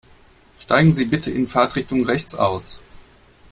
Steigen Sie bitte in Fahrtrichtung rechts aus.